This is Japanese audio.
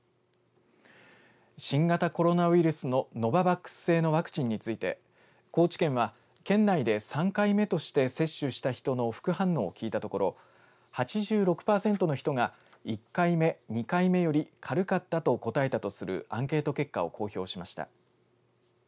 新型コロナウイルスのノババックス製のワクチンについて高知県は県内で３回目として接種した人の副反応を聞いたところ８６％の人が１回目、２回目より軽かったと答えたとするアンケート結果を公表しました。